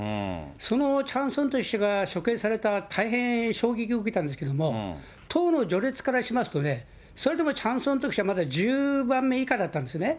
そのチャン・ソンテク氏が処刑された、大変衝撃を受けたんですけど、党の序列からしますとね、それでもチャン・ソンテク氏はまだ１０番目以下だったんですね。